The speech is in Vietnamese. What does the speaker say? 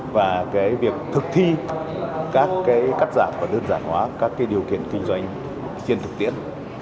và cái việc thực thi các cái cắt giảm và đơn giản hóa các cái điều kiện kinh doanh tiên thực tiễn